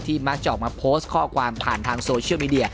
มักจะออกมาโพสต์ข้อความผ่านทางโซเชียลมีเดีย